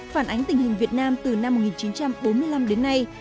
phản ánh tình hình việt nam từ năm một nghìn chín trăm bốn mươi năm đến nay